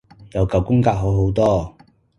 有九宮格好好多